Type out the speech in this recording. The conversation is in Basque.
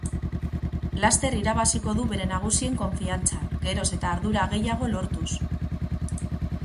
Laster irabaziko du bere nagusien konfiantza, geroz eta ardura gehiago lortuz.